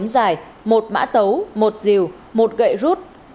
một diều một gậy rút